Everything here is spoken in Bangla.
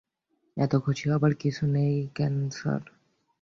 এত খুশি হবার কিছু নেই কেন স্যার?